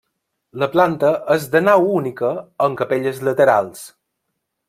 La planta és de nau única amb capelles laterals.